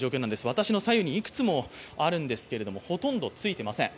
私の左右にいくつもあるんですけれども、ほとんどついていません。